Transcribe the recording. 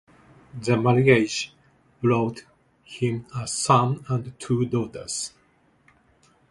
The marriage brought him a son and two daughters.